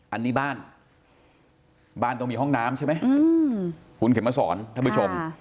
อันนี้บ้านบ้านต้องมีห้องน้ำใช่ไหมคุณเข็มมาสอนท่านผู้ชม